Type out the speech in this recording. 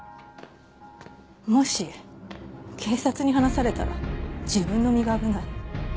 もし警察に話されたら自分の身が危ない。